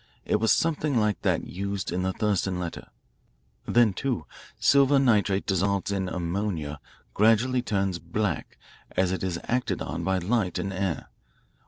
It was something like that used in the Thurston letter. Then, too, silver nitrate dissolved in ammonia gradually turns black as it is acted on by light and air.